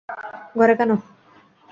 ঘরে, কেন?